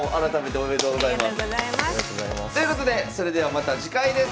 おめでとうございます。ということでそれではまた次回です。